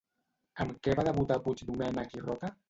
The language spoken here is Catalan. Amb què va debutar Puigdomènech i Roca?